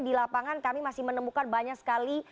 di lapangan kami masih menemukan banyak sekali